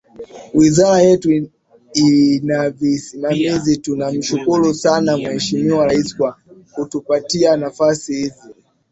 Wizara yetu inavisimamia tumshukuru sana Mheshimiwa Rais kwa kutupatia nafasi hizi